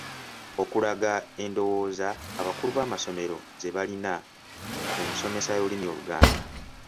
Okulaga endowooza abakulu b’amasomero ze balina ku nsomesa y’Olulimi Oluganda.